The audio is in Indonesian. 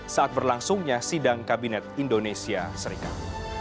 saat berlangsungnya sidang kabinet indonesia serikat